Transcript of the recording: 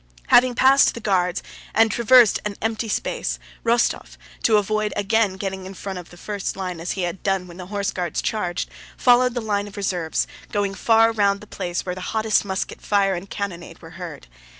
Having passed the Guards and traversed an empty space, Rostóv, to avoid again getting in front of the first line as he had done when the Horse Guards charged, followed the line of reserves, going far round the place where the hottest musket fire and cannonade were heard.